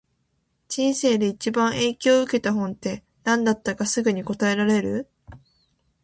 人生で一番影響を受けた本って、何だったかすぐに答えられる？